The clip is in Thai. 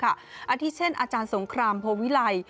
อาทิตย์เช่นอาจารย์สงครามโพวิไล